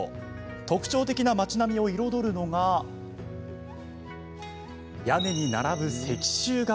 特徴的な町並みを彩るのが屋根に並ぶ石州瓦。